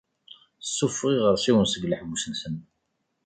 Suffeɣ iɣersiwen seg leḥbus-nsen.